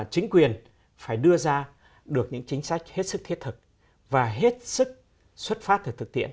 chính quyền phải đưa ra được những chính sách hết sức thiết thực và hết sức xuất phát thực